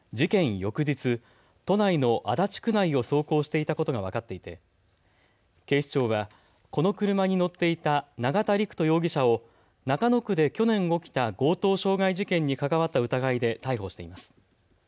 翌日、都内の足立区内を走行していたことが分かっていて警視庁はこの車に乗っていた永田陸人容疑者を中野区で去年起きた強盗傷害事件に関わった疑いで逮捕しています。